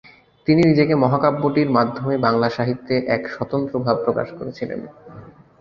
তিনি নিজেকে মহাকাব্যটির মাধ্যমে বাংলা সাহিত্যে এক স্বতন্ত্রভাব প্রকাশ করেছিলেন।